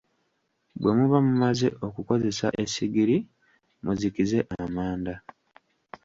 Bwe muba mumaze okukozesa essigiri muzikize amanda.